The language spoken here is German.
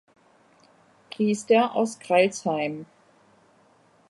Priester aus Crailsheim.